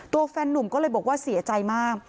แฟนนุ่มก็เลยบอกว่าเสียใจมาก